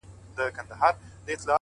• له مرغکیو به وي هیري مورنۍ سندري,